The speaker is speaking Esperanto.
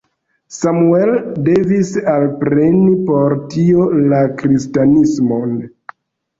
Samuel devis alpreni por tio la kristanismon.